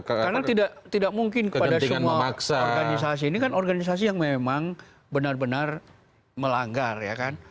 karena tidak mungkin kepada semua organisasi ini kan organisasi yang memang benar benar melanggar ya kan